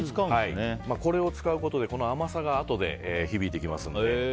これを使うことで、甘さがあとで響いてきますので。